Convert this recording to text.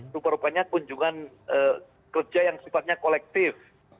rupa rupanya kunjungan kerja yang sifatnya kolektif